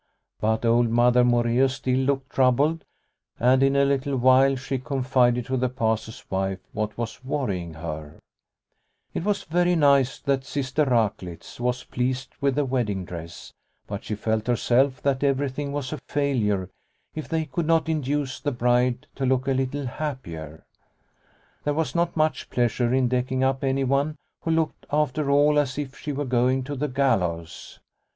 But old Mother Moreus still looked troubled, and in a little while she con fided to the Pastor's wife what was worrying her. The Bride's Dance 105 It was very nice that Sister 1 Raklitz was pleased with the wedding dress, but she felt herself that everything was a failure if they could not induce the bride to look a little happier. There was not much pleasure in deck ing up anyone who looked after all as if she were going to the gallows.